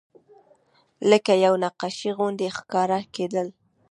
لکه یوه نقاشي غوندې ښکاره کېدل.